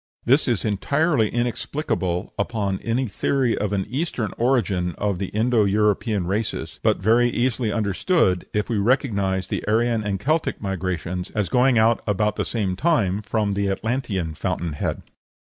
This is entirely inexplicable upon any theory of an Eastern origin of the Indo European races, but very easily understood if we recognize the Aryan and Celtic migrations as going out about the same time from the Atlantean fountain head.